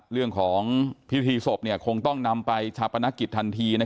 เรื่องของพิธีศพคงต้องนำไปชาปนกิจทันที